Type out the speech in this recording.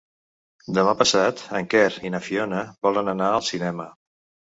Demà passat en Quer i na Fiona volen anar al cinema.